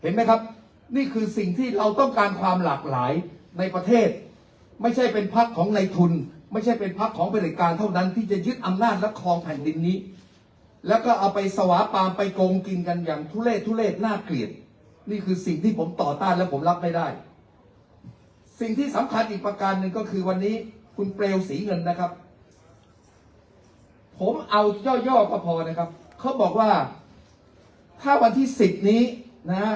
ครับนี่คือสิ่งที่เราต้องการความหลากหลายในประเทศไม่ใช่เป็นพักของในทุนไม่ใช่เป็นพักของบริการเท่านั้นที่จะยึดอำนาจและคลองแผ่นดินนี้แล้วก็เอาไปสวาปามไปโกงกินกันอย่างทุเล่ทุเลศน่าเกลียดนี่คือสิ่งที่ผมต่อต้านแล้วผมรับไม่ได้สิ่งที่สำคัญอีกประการหนึ่งก็คือวันนี้คุณเปลวศรีเงินนะครับผมเอาย่อก็พอนะครับเขาบอกว่าถ้าวันที่สิบนี้นะฮะ